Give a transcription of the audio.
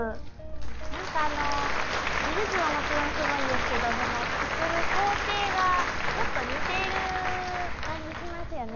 なんかあの技術はもちろんすごいんですけど作る工程がちょっと似てる感じしますよね。